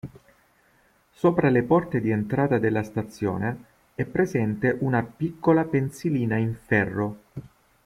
Sopra le porte di entrata della stazione è presente una piccola pensilina in ferro.